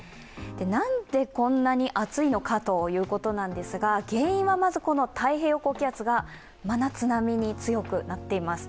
なんでこんなに暑いのかということなんですが、原因はまず太平洋高気圧が真夏並みに強くなっています。